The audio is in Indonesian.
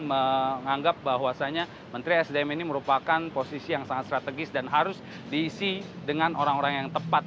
menganggap bahwasannya menteri sdm ini merupakan posisi yang sangat strategis dan harus diisi dengan orang orang yang tepat